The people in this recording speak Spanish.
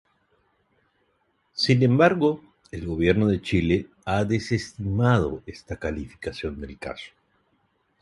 Sin embargo el Gobierno de Chile ha desestimado esta calificación del caso.